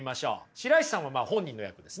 白石さんは本人の役ですね。